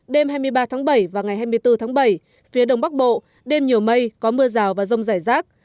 đêm hai mươi ba tháng bảy và ngày hai mươi bốn tháng bảy phía đông bắc bộ đêm nhiều mây có mưa rào và rông rải rác